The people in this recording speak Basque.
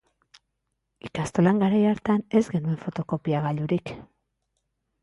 Ikastolan garai hartan ez genuen fotokopiagailurik.